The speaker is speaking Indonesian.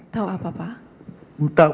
tahu apa pak